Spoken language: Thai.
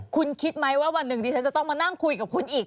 คุณคิดไหมว่าวันหนึ่งดิฉันจะต้องมานั่งคุยกับคุณอีก